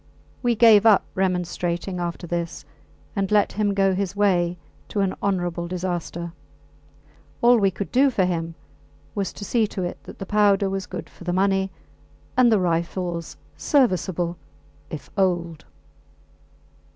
We gave up remonstrating after this, and let him go his way to an honourable disaster. All we could do for him was to see to it that the powder was good for the money and the rifles serviceable, if old.